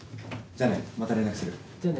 じゃあね。